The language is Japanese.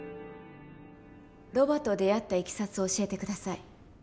ロバと出会ったいきさつを教えて下さい。